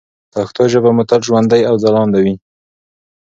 پښتو ژبه مو تل ژوندۍ او ځلانده وي.